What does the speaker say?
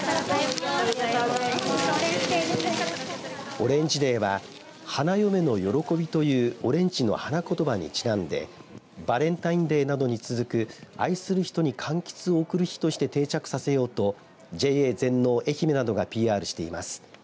オレンジデーは花嫁の喜びというオレンジの花ことばにちなんでバレンタインデーなどに続く愛する人にかんきつを贈る日として定着させようとＪＡ全農のえひめなどがＰＲしています。